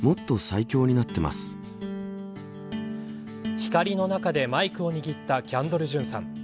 光の中でマイクを握ったキャンドル・ジュンさん。